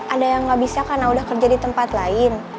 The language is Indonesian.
ada yang nggak bisa karena udah kerja di tempat lain